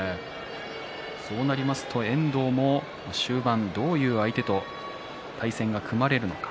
そうなりますと遠藤も終盤どういう相手と対戦が組まれるのか。